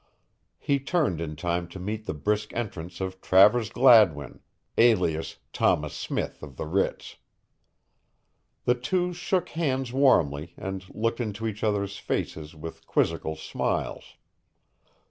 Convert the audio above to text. He turned in time to meet the brisk entrance of Travers Gladwin, alias Thomas Smith of the Ritz. The two shook hands warmly and looked into each other's faces with quizzical smiles.